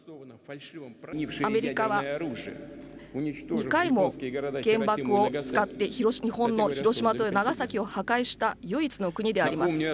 アメリカは２回も原爆を使って日本の広島と長崎を破壊した唯一の国であります。